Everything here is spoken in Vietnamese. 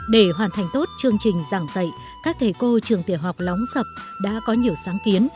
để hoàn thành tốt chương trình giảng dạy các thầy cô trường tiểu học lóng sập đã có nhiều sáng kiến